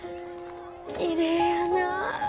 きれいやなあ。